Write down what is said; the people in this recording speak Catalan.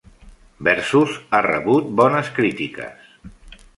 'Versus' ha rebut bones crítiques.